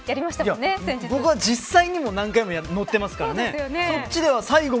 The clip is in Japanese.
アドベンチャー僕は実際にも何回も乗っていますからね。